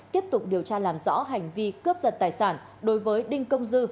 tiếp tục điều tra làm rõ hành vi cướp giật tài sản đối với đinh công dư